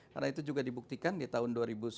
karena itu juga dibuktikan di tahun dua ribu sembilan belas